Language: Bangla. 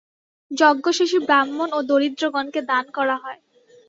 যজ্ঞশেষে ব্রাহ্মণ ও দরিদ্রগণকে দান করা হয়।